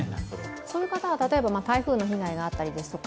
そういう方は、例えば台風の被害があったりですとか、